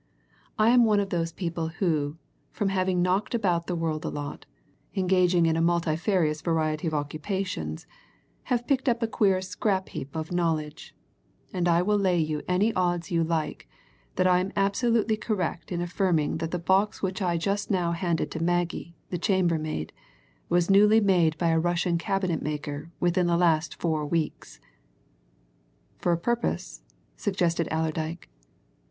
I am one of those people who, from having knocked about the world a lot, engaging in a multifarious variety of occupations, have picked up a queer scrap heap of knowledge, and I will lay you any odds you like that I am absolutely correct in affirming that the box which I just now handed to Maggie, the chambermaid, was newly made by a Russian cabinet maker within the last four weeks!" "For a purpose?" suggested Allerdyke.